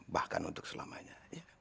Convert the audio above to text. bahkan untuk selamanya